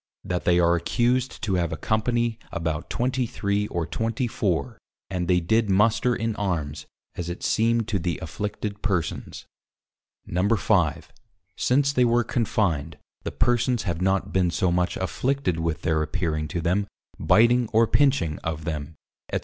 That they are accused to have a Company about 23 or 24 and they did Muster in Armes, as it seemed to the Afflicted Persons. 5. Since they were confined, the Persons have not been so much Afflicted with their appearing to them, Biteing or Pinching of them &c.